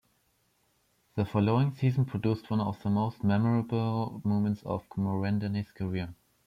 The following season produced one of the most memorable moments of Morandini's career.